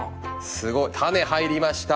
すごい種入りました。